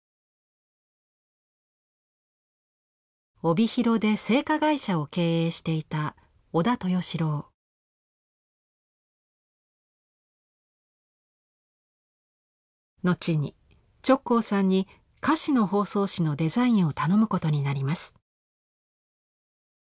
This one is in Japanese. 帯広で製菓会社を経営していた後に直行さんに菓子の包装紙のデザインを頼むことになります。